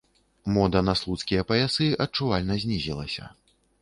Мода на слуцкія паясы адчувальна знізілася.